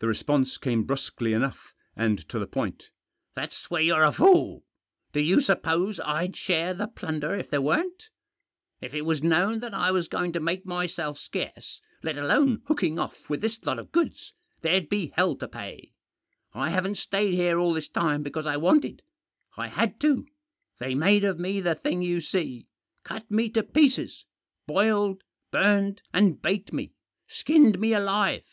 The response came brusquely enough, and to the point. "That's where you're a fool. Do you suppose I'd share the plunder if there weren't ? If it was known that I was going to make myself scarce, let alone hooking off with this lot of goods, there'd be hell to pay. I haven't stayed here all this time because I wanted ; I had to. They made of me the thing you see ; cut me to pieces ; boiled, burned, and baked me; skinned me alive.